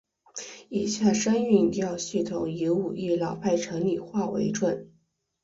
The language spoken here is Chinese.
以下声韵调系统以武义老派城里话为准。